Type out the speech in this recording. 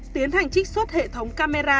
tiến hành trích xuất hệ thống camera